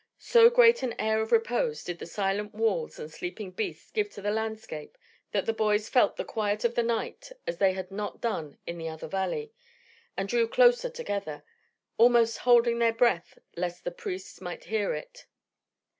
So great an air of repose did the silent walls and sleeping beasts give to the landscape that the boys felt the quiet of the night as they had not done in the other valley, and drew closer together, almost holding their breath lest the priests might hear it.